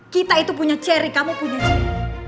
kita itu punya cherry kamu punya check